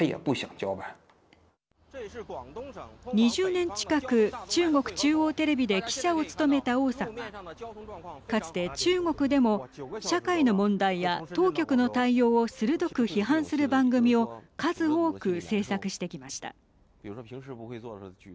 ２０年近く中国中央テレビで記者を務めた王さんはかつて、中国でも社会の問題や当局の対応を鋭く批判する番組を数多く制作してきました。